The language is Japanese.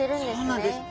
そうなんです。